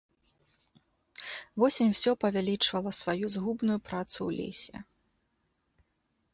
Восень усё павялічвала сваю згубную працу ў лесе.